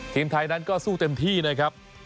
ทีมไทยนั้นก็สู้เต็มที่นะครับ